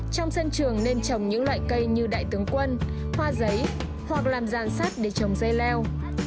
trong sân trường nên trồng những loại cây như đại tướng quân hoa giấy hoặc làm giàn sắt để trồng dây leo